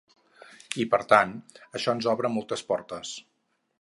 I, per tant, això ens obre moltes portes.